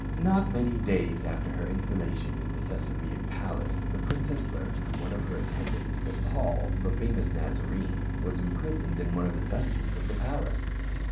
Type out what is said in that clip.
Not many days after her installation in the Caesa rean palace the princess learned from one of her attendants that Paul, the famous Nazarene, was impri soned in one of the dungeons of the palace.